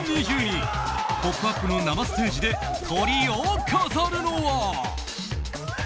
「ポップＵＰ！」の生ステージでトリを飾るのは。